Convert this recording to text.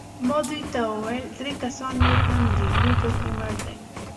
ما دوی ته وویل: درې کسان نور هم دي، یو پکښې مړ دی.